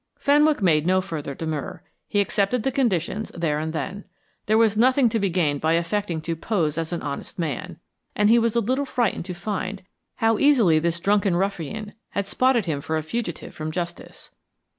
Fenwick made no further demur; he accepted the conditions there and then. There was nothing to be gained by affecting to pose as an honest man, and he was a little frightened to find how easily this drunken ruffian had spotted him for a fugitive from justice.